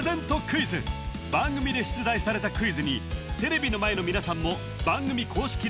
クイズ番組で出題されたクイズにテレビの前の皆さんも番組公式